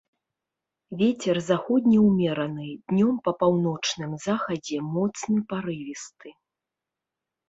Вецер заходні ўмераны, днём па паўночным захадзе моцны парывісты.